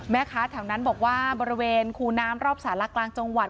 แม่ค้าแถวนั้นบอกว่าบริเวณคูน้ำรอบสารกลางจังหวัด